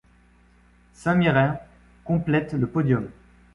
Saint Mirren complète le podium.